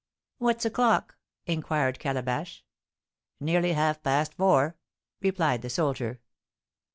"What's o'clock?" inquired Calabash. "Nearly half past four," replied the soldier.